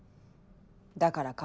だから顔。